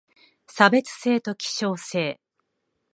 差別性と希少性